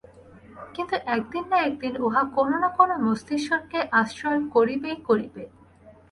কিন্তু একদিন না একদিন উহা কোন না কোন মস্তিষ্ককে আশ্রয় করিবেই করিবে।